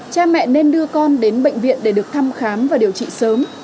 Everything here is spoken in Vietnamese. cha mẹ nên đưa con đến bệnh viện để được thăm khám và điều trị sớm